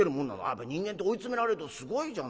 やっぱ人間って追い詰められるとすごいじゃない。